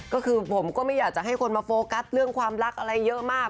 ก็คือผมก็ไม่อยากจะให้คนมาโฟกัสเรื่องความรักอะไรเยอะมาก